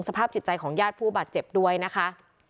สภาพจิตใจของญาติผู้บาดเจ็บด้วยนะคะ